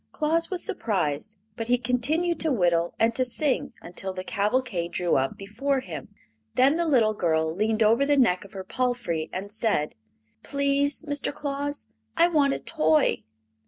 Claus was surprised, but he continued to whittle and to sing until the cavalcade drew up before him. Then the little girl leaned over the neck of her palfrey and said: "Please, Mr. Claus, I want a toy!"